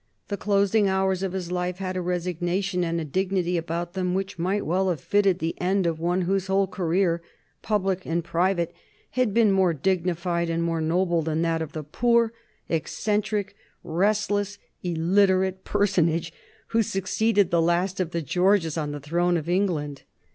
The closing hours of his life had a resignation and a dignity about them which might well have fitted the end of one whose whole career, public and private, had been more dignified and more noble than that of the poor, eccentric, restless, illiterate personage who succeeded the last of the Georges on the throne of England.